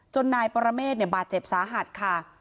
นายปรเมฆบาดเจ็บสาหัสค่ะ